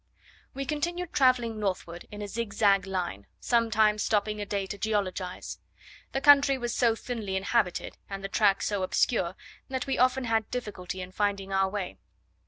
We continued travelling northward, in a zigzag line; sometimes stopping a day to geologize. The country was so thinly inhabited, and the track so obscure, that we often had difficulty in finding our way.